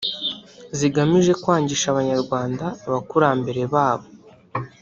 zigamije kwangisha Abanyarwanda abakurambere babo